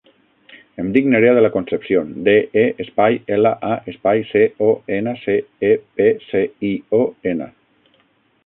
Em dic Nerea De La Concepcion: de, e, espai, ela, a, espai, ce, o, ena, ce, e, pe, ce, i, o, ena.